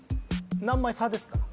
「何枚差」ですから。